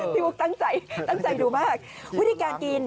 พี่บุ๊คตั้งใจตั้งใจดูมาก